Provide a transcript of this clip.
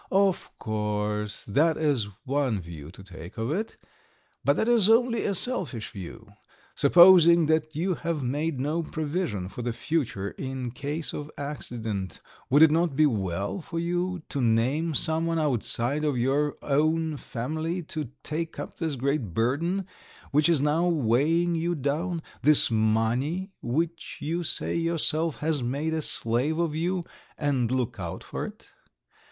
"Of course, that is one view to take of it; but that is only a selfish view. Supposing that you have made no provision for the future in case of accident, would it not be well for you to name some one outside of your own family to take up this great burden which is now weighing you down this money which you say yourself has made a slave of you and look out for it?